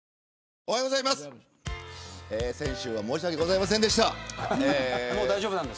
おはようございます。